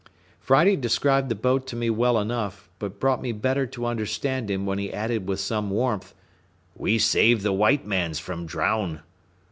Friday described the boat to me well enough; but brought me better to understand him when he added with some warmth, "We save the white mans from drown."